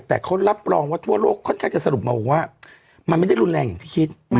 แต่เขารับรองว่าทั่วโลกค่อนข้างจะสรุปมาบอกว่ามันไม่ได้รุนแรงอย่างที่คิด